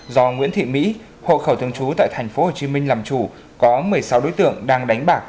do nguyễn thị mỹ hộ khẩu thường trú tại tp hcm làm chủ có một mươi sáu đối tượng đang đánh bạc